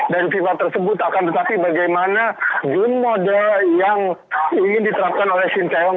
dan fifa tersebut akan tetapi bagaimana game model yang ingin diterapkan oleh shin chae wong